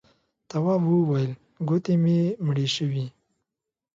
تواب وويل: گوتې مې مړې شوې.